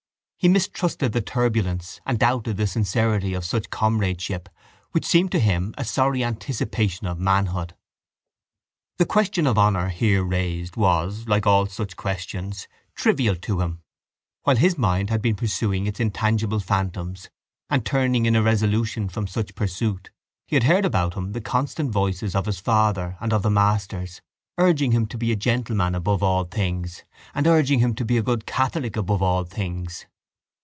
He mistrusted the turbulence and doubted the sincerity of such comradeship which seemed to him a sorry anticipation of manhood. The question of honour here raised was, like all such questions, trivial to him. While his mind had been pursuing its intangible phantoms and turning in irresolution from such pursuit he had heard about him the constant voices of his father and of his masters, urging him to be a gentleman above all things and urging him to be a good catholic above all things.